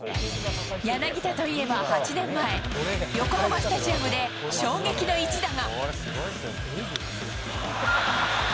柳田といえば８年前、横浜スタジアムで衝撃の一打が。